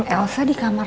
elsa di kamar